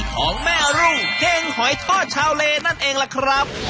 ของแม่รุ่งเฮงหอยทอดชาวเลนั่นเองล่ะครับ